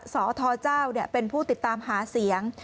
สทเจ้าเป็นผู้ติดตามหาเสียง